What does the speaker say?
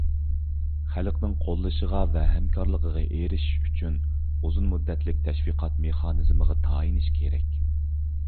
خەلقنىڭ قوللىشىغا ۋە ھەمكارلىقىغا ئېرىشىش ئۈچۈن ئۇزۇن مۇددەتلىك تەشۋىقات مېخانىزىمىغا تايىنىش كېرەك.